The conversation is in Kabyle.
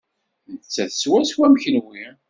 Nettat swaswa am kenwi.